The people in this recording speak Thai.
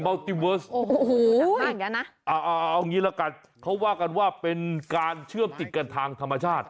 มัลติเวิร์สโอ้โหมากอย่างเงี้ยนะอ่าอ่าเอางี้แหละกันเขาว่ากันว่าเป็นการเชื่อมติดกันทางธรรมชาติ